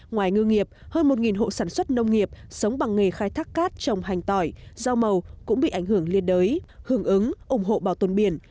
ngoài ngư nghiệp hơn một hộ sản xuất nông nghiệp sống bằng nghề khai thác cát trồng hành tỏi rau màu cũng bị ảnh hưởng liên đới hưởng ứng ủng hộ bảo tồn biển